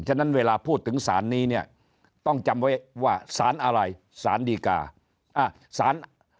ฉะนั้นเวลาพูดถึงสารนี้เนี่ยต้องจำไว้ว่าสารอะไรสารดีกาสาร